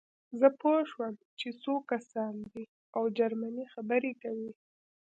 زه پوه شوم چې څو کسان دي او جرمني خبرې کوي